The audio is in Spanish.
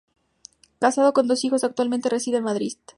Casado, con dos hijos, actualmente reside en Madrid.